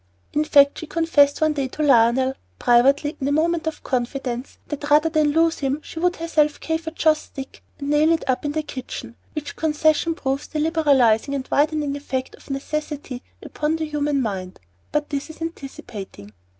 In fact, she confessed one day to Lionel, privately in a moment of confidence, that rather than lose him, she would herself carve a joss stick and nail it up in the kitchen; which concession proves the liberalizing and widening effect of necessity upon the human mind. But this is anticipating.